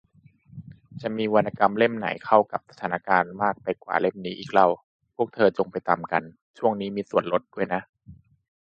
จะมีวรรณกรรมเล่มไหนเข้ากับสถานการณ์มากไปกว่าเล่มนี้อีกเล่า พวกเธอว์จงไปตำกัน ช่วงนี้มีส่วนลดด้วยนะ